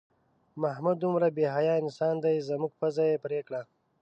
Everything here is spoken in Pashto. محمود دومره بې حیا انسان دی زموږ پوزه یې پرې کړه.